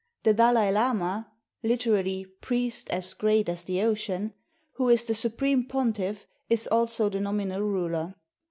The Dalai Lama (literally, priest as great as the ocean), who is the supreme pontiff, is also the nominal ruler.